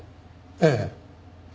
ええ。